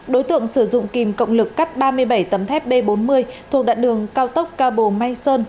đối tượng sử dụng kìm cộng lực cắt ba mươi bảy tầm thép b bốn mươi thuộc đạn đường cao tốc cao bồ mai sơn